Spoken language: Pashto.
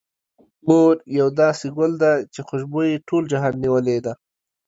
مور يو داسې ګل ده، چې خوشبو يې ټول جهان نيولې ده.